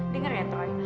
dengar ya troy